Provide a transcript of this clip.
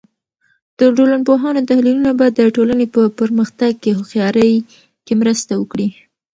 د ټولنپوهانو تحلیلونه به د ټولنې په پرمختګ کې هوښیارۍ کې مرسته وکړي.